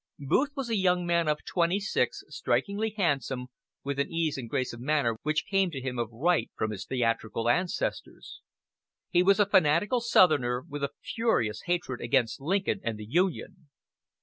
Booth was a young man of twenty six, strikingly handsome, with an ease and grace of manner which came to him of right from his theatrical ancestors. He was a fanatical southerner, with a furious hatred against Lincoln and the Union.